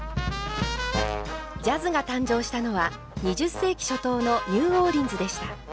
ジャズが誕生したのは２０世紀初頭のニューオーリンズでした。